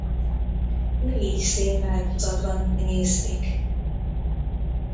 Négy színváltozatban tenyésztik.